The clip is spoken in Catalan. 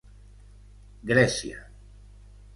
Grècia.